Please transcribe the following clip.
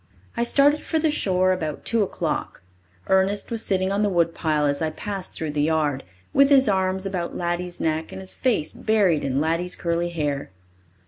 I started for the shore about two o'clock. Ernest was sitting on the woodpile as I passed through the yard, with his arms about Laddie's neck and his face buried in Laddie's curly hair.